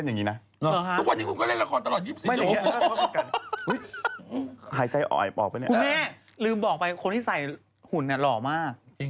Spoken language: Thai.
อย่างนี้หลอกมาก